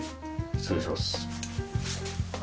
失礼します。